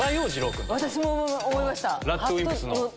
私も思いました！